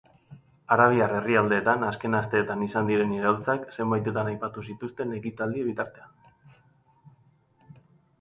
Arabiar herrialdeetan azken asteetan izan diren iraultzak zenbaitetan aipatu zituzten ekitaldia bitartean.